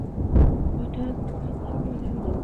এইসব গাছ একসঙ্গে হঠাৎ কথা বলে উঠছে।